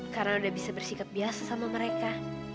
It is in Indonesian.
karena udah bisa bersikap biasa sama mereka